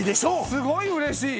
すごいうれしい。